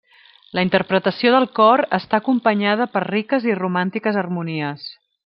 La interpretació del cor està acompanyada per riques i romàntiques harmonies.